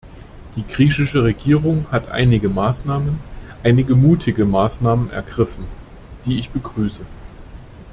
Die griechische Regierung hat einige Maßnahmen, einige mutige Maßnahmen ergriffen, die ich begrüße.